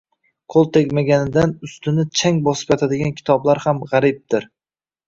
qo‘l tegmaganidan ustini chang bosib yotadigan kitoblar ham g‘aribdir.